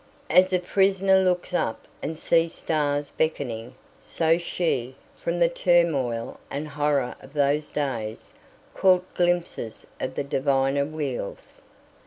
As a prisoner looks up and sees stars beckoning, so she, from the turmoil and horror of those days, caught glimpses of the diviner wheels.